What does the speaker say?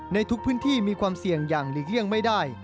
ในทุกพื้นที่มีความเสี่ยงอย่างหลีกเลี่ยงไม่ได้